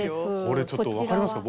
これちょっと分かりますか？